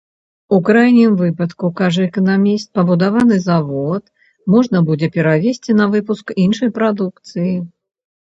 У крайнім выпадку, кажа эканаміст, пабудаваны завод можна будзе перавесці на выпуск іншай прадукцыі.